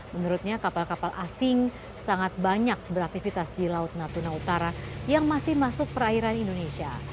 menurutnya kapal kapal asing sangat banyak beraktivitas di laut natuna utara yang masih masuk perairan indonesia